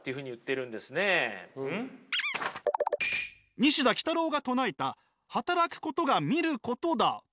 西田幾多郎が唱えた「働くことが見ることだ」とは？